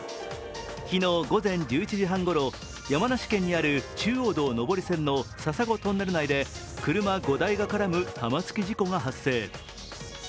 昨日午前１１時半ごろ、山梨県にある中央道上り線の笹子トンネル内で車５台が絡む玉突き事故が発生。